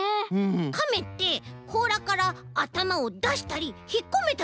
カメってこうらからあたまをだしたりひっこめたりするもんね。